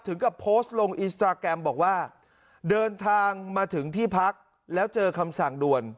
กับโพสต์ลงอินสตราแกรมบอกว่าเดินทางมาถึงที่พักแล้วเจอคำสั่งด่วน